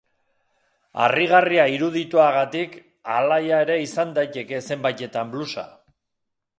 Harrigarria irudituagatik, alaia ere izan daiteke zenbaitetan bluesa.